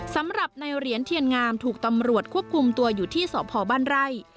สำหรับในเหรียญเทียนงามถูกตำรวจควบคุมตัวอยู่ที่สพบ้านไร่